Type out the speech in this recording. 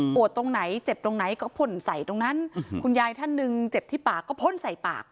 ตรงไหนเจ็บตรงไหนก็พ่นใส่ตรงนั้นคุณยายท่านหนึ่งเจ็บที่ปากก็พ่นใส่ปาก